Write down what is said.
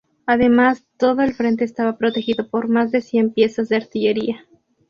Además todo el frente estaba protegido por más de cien piezas de artillería.